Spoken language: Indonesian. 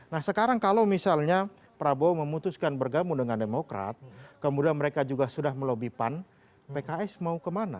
nah sekarang kalau misalnya prabowo memutuskan bergabung dengan demokrat kemudian mereka juga sudah melobi pan pks mau kemana